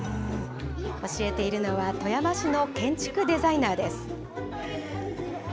教えているのは、富山市の建築デザイナーです。